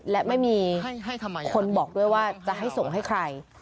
และไม่มีคนบอกด้วยว่าจะให้ส่งให้ใคร